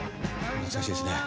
懐かしいですね。